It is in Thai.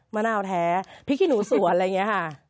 มะนาวแท้พริกขี้หนูสวนอะไรอย่างนี้ค่ะ